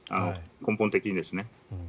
根本的にですね。